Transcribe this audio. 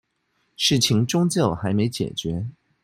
事情終究還沒解決